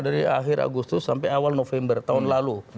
dari akhir agustus sampai awal november tahun lalu